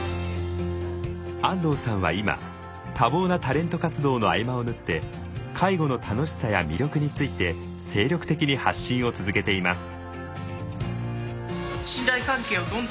安藤さんは今多忙なタレント活動の合間を縫って介護の楽しさや魅力について精力的に発信を続けています。